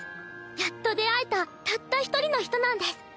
やっと出会えたたった一人の人なんです。